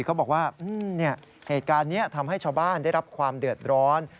เขาบอกว่าเหตุการณ์นี้ทำให้ชาวบ้านได้รับความเดือดร้อน